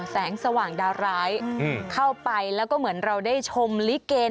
แสงสว่างดาร้ายเข้าไปแล้วก็เหมือนเราได้ชมลิเก